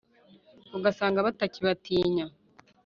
ugasanga batakibatinya.